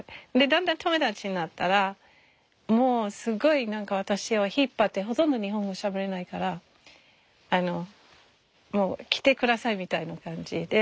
だんだん友達になったらもうすごい私を引っ張ってほとんど日本語しゃべれないからもう来てくださいみたいな感じで。